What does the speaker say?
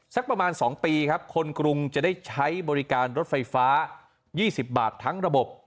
สักประมาณ๒ปีครับคนกรุงจะได้ใช้บริการรถไฟฟ้า๒๐บาททั้งระบบ